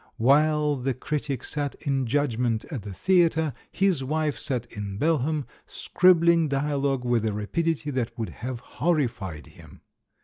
While the critic sat in judgment at the theatre, his wife sat in Balham scribbling dialogue with a rapidity that would have horrified him.